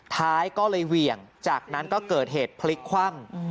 ท้ายก็เลยเหวี่ยงจากนั้นก็เกิดเหตุพลิกคว่ำ